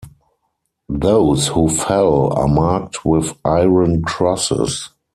Those who fell are marked with iron crosses.